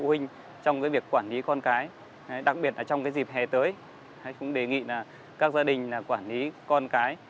các phụ huynh trong việc quản lý con cái đặc biệt trong dịp hè tới cũng đề nghị các gia đình quản lý con cái